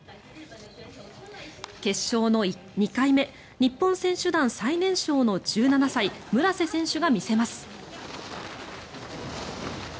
決勝の２回目日本選手団最年少の１７歳、村瀬選手が見せます。